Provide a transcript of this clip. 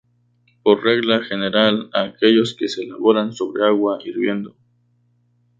Por regla general a aquellos que se elaboran sobre agua hirviendo.